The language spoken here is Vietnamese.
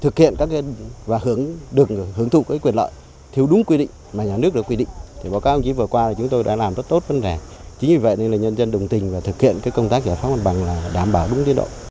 cho công tác giải phóng mặt bằng